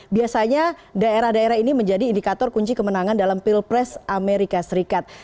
biasanya daerah daerah ini menjadi indikator kunci kemenangan dalam pilpres amerika serikat